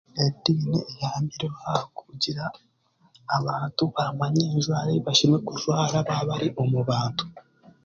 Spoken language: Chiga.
Ediini eyambire ho aha kugira abantu baamanyiire enjwara eyi bashemereire kujwara baabari omu bantu.